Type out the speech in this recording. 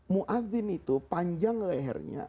mu'adhin itu panjang lehernya